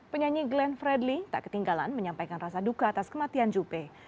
penyanyi glenn fredly tak ketinggalan menyampaikan rasa duka atas kematian juppe